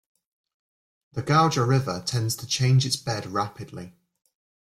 The Gauja River tends to change its bed rapidly.